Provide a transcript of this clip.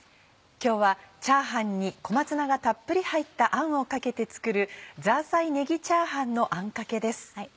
今日はチャーハンに小松菜がたっぷり入ったあんをかけて作る「ザーサイねぎチャーハンのあんかけ」です。